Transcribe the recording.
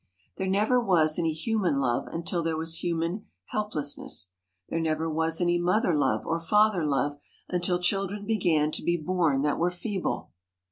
There never was any human love until there was human helplessness. There never was any mother love or father love until children began to be born that were feeble.